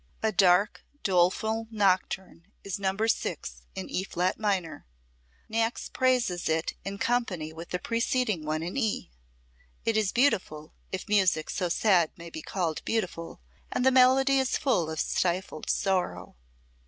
A dark, doleful nocturne is No. 6, in E flat minor. Niecks praises it in company with the preceding one in E. It is beautiful, if music so sad may be called beautiful, and the melody is full of stifled sorrow.